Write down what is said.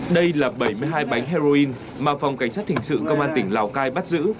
đây là bảy mươi hai bánh heroin mà phòng cảnh sát hình sự công an tỉnh lào cai bắt giữ